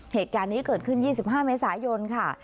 เหตุการณ์นี้เกิดขึ้น๒๕เมษายนค่ะ